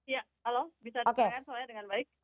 ya halo bisa diperbaiki soalnya dengan baik